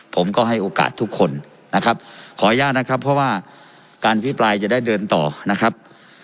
ผมก็ให้โอกาสทุกคนนะครับขออนุญาตนะครับเพราะว่าการพิปรายจะได้เดินต่อนะครับ